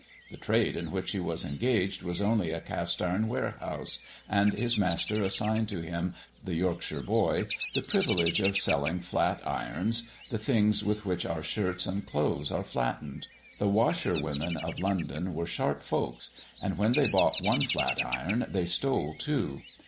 The trade in which he was engaged was only a cast iron warehouse, and his master assigned to him, 'the Yorkshire Boy,' the privilege of selling flat irons the things with which our shirts and clothes are flattened. The washerwomen of London were sharp folks; and when they bought one flat iron, they stole two.